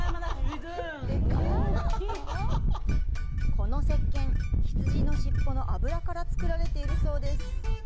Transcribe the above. このせっけん、羊の尻尾の脂から作られているそうです。